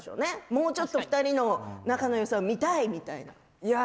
もうちょっと２人の仲のよさを見たいみたいな。